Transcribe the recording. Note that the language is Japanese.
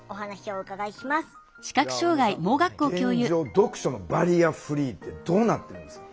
読書のバリアフリーってどうなってるんですか？